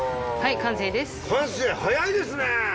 完成早いですね！